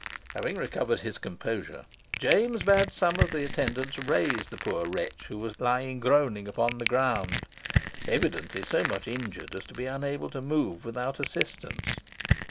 Having recovered his composure, James bade some of the attendants raise the poor wretch, who was lying groaning upon the ground, evidently so much injured as to be unable to move without assistance.